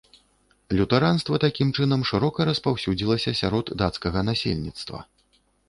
Лютэранства, такім чынам, шырока распаўсюдзілася сярод дацкага насельніцтва.